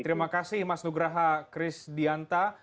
terima kasih mas nugraha kris dianta